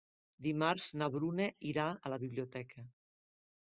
Dimarts na Bruna irà a la biblioteca.